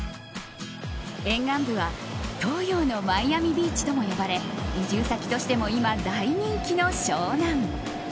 沿岸部は東洋のマイアミビーチとも呼ばれ移住先としても今、大人気の湘南。